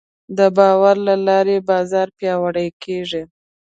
د باور له لارې بازار پیاوړی کېږي.